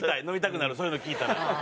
飲みたくなるそういうの聞いたら。